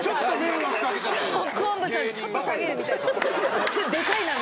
録音部さんちょっと下げるみたいな。